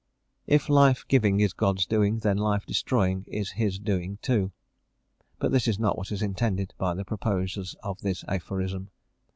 If life giving is God's doing, then life destroying is his doing too. But this is not what is intended by the proposers of this aphorism.